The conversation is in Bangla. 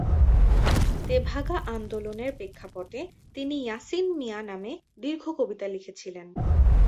তেভাগা আন্দোলন এর প্রেক্ষাপটে তিনি "ইয়াসিন মিঞা" নামে দীর্ঘ কবিতা লিখেছিলেন।